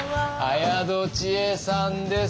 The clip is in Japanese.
綾戸智恵さんです。